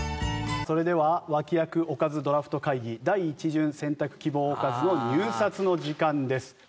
それでは脇役おかずドラフト会議第１巡選択希望おかずの入札の時間です。